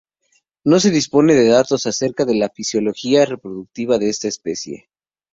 No se dispone de datos acerca de la fisiología reproductiva de esta especie.